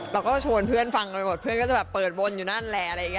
เราก็ชวนเพื่อนฟังไปหมดเพื่อนก็จะแบบเปิดวนอยู่นั่นแหละ